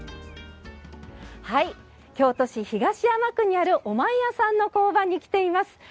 京都市東山区にあるおまんやさんの工場に来ています。